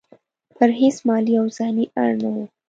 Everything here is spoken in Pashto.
پر هیڅ مالي او ځاني اړ نه وو.